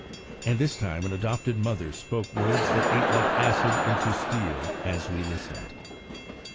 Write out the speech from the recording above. And this time an adopted mother spoke words that ate like acid into steel as we listened.